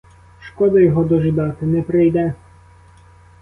Шкода його дожидати: не прийде!